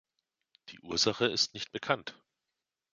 Die Ursache ist nicht bekannt.